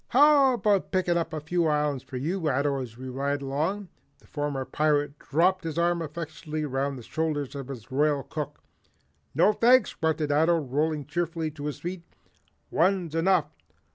How about picking up a few islands for you, Ato, as we ride along?" The former pirate dropped his arm affectionately round the shoulders of his Royal Cook. "No, thanks," grunted Ato, rolling cheerfully to his feet. "One's enough.